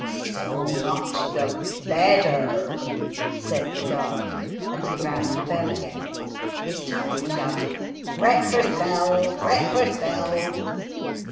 "So much the Redder," said the guard, and he rang the bell again ; this time he shouted, " Breakfast bell, breakfast bell